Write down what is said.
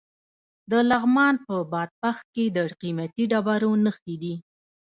د لغمان په بادپخ کې د قیمتي ډبرو نښې دي.